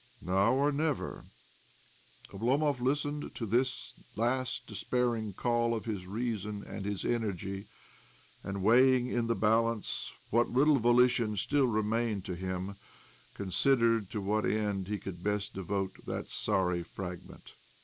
" Now or never." Oblorrtov listened to this last despairing call of his reason and his energy, and, weighing in the balance what little volition still remained to him, considered to what end he could best devote thut sorry fragment.